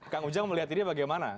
kang ujang melihat ini bagaimana